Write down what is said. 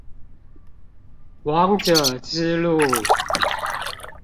王者之路